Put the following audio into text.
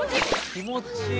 気持ちいい。